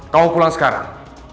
kau pulang sekarang